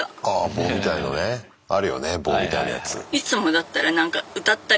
棒みたいなやつ。